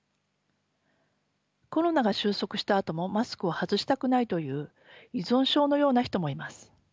コロナが収束したあともマスクを外したくないという依存症のような人もいます。